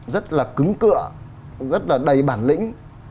rất là cứng cựa rất là đầy bản lĩnh